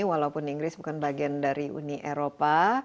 walaupun inggris bukan bagian dari uni eropa